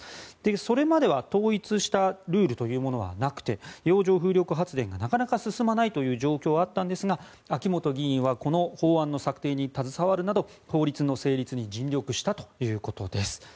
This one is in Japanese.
それまでは統一したルールというものはなくて洋上風力発電がなかなか進まないという状況があったんですが秋本議員はこの法案の策定に携わるなど法律の成立に尽力したということです。